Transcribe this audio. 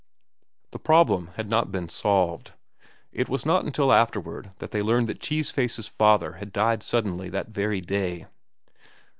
The problem had not been solved. It was not until afterward that they learned that Cheese Face's father had died suddenly that very day.